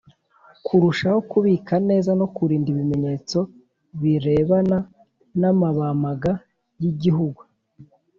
Kurushaho kubika neza no kurinda ibimenyetso birebana namabamga yigihugu